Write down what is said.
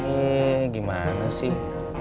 ehh gimana sih